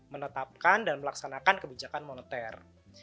menetapkan dan melaksanakan kebijakan moneter